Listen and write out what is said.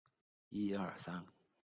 蒙巴赞。